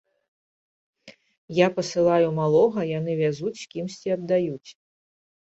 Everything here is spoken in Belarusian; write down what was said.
Я пасылаю малога, яны вязуць з кімсьці аддаюць.